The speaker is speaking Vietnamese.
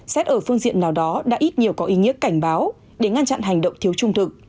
xét ở phương diện nào đó đã ít nhiều có ý nghĩa cảnh báo để ngăn chặn hành động thiếu trung thực